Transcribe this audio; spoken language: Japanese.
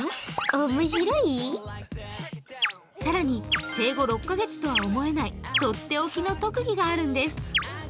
更に生後６カ月とは思えないとっておきの特技があるんです。